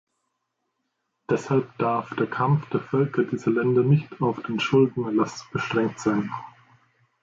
Deshalb darf der Kampf der Völker dieser Länder nicht auf den Schuldenerlass beschränkt sein.